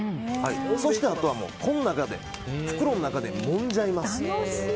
そして、あとは袋の中でもんじゃいます。